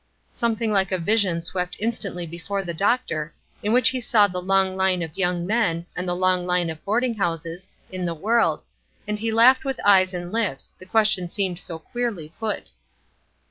Something like a vision swept instantly before the doctor, in which he saw the long line of young men, and the long line of boarding houses, in the world, and he laughed with eyes and lips, the question seemed so queerly put.